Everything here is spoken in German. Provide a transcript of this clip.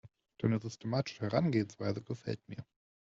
Deine systematische Herangehensweise gefällt mir.